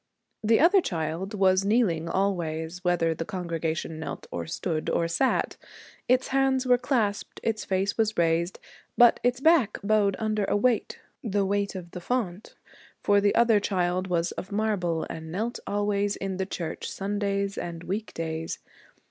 The other child was kneeling, always, whether the congregation knelt or stood or sat. Its hands were clasped. Its face was raised, but its back bowed under a weight the weight of the font, for the other child was of marble and knelt always in the church, Sundays and week days.